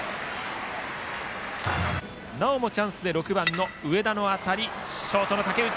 なおもチャンスで６番の上田の当たりショートの竹内。